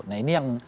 nah ini yang